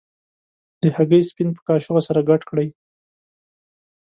د هګۍ سپین په کاشوغه سره ګډ کړئ.